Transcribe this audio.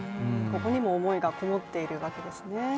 ここにも思いがこもっているわけですね。